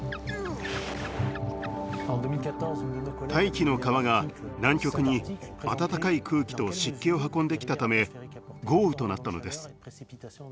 大気の川が南極に温かい空気と湿気を運んできたため豪雨となったのです。